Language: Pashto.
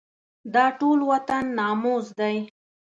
دا ټول وطن ناموس دی.